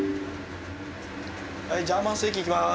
はいジャーマンステーキいきます。